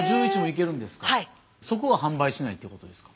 そこは販売しないっていうことですか？